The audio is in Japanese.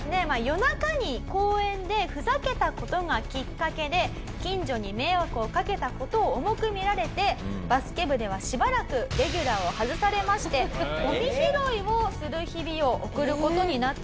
夜中に公園でふざけた事がきっかけで近所に迷惑をかけた事を重く見られてバスケ部ではしばらくレギュラーを外されましてゴミ拾いをする日々を送る事になってしまいました。